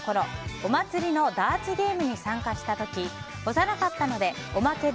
お祭りのダーツゲームに参加した時幼かったのでおまけで